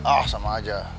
oh sama aja